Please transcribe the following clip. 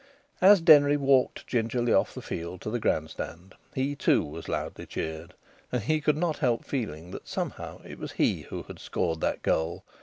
As Denry walked gingerly off the field to the grand stand he, too, was loudly cheered, and he could not help feeling that, somehow, it was he who had scored that goal.